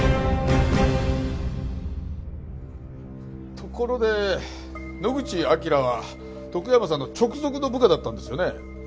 ところで野口明は徳山さんの直属の部下だったんですよね？